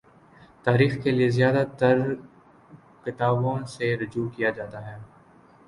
تاریخ کے لیے زیادہ ترکتابوں سے رجوع کیا جاتا ہے۔